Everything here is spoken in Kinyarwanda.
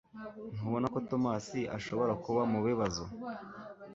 Ntubona ko Tomasi ashobora kuba mubibazo?